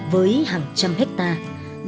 với hàng trăm hectare